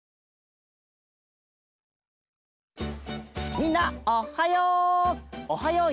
みんなおっはよう！